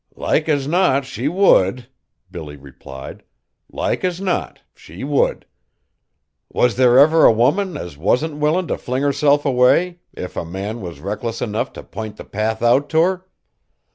"Like as not she would!" Billy replied, "like as not she would. Was there ever a woman as wasn't willin' t' fling herself away, if a man was reckless enough t' p'int the path out t' her?